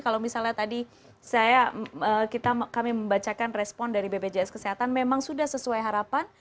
kalau misalnya tadi kami membacakan respon dari bpjs kesehatan memang sudah sesuai harapan